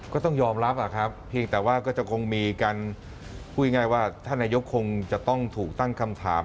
ก็ต้องยอมรับครับเพียงแต่ว่าก็จะคงมีการพูดง่ายว่าท่านนายกคงจะต้องถูกตั้งคำถาม